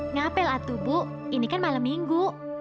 ngapel atuh bu ini kan malam minggu